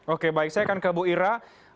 oke baik saya akan ke bu ira